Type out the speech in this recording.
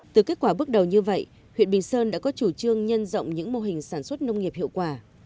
từ kết quả bước đầu như vậy huyện bình sơn đã có chủ trương nhân rộng những mô hình sản xuất nông nghiệp hiệu quả